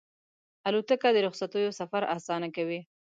الوتکه د رخصتیو سفر اسانه کوي.